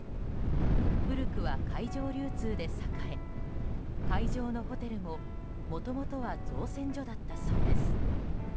古くは海上流通で栄え会場のホテルももともとは造船所だったそうです。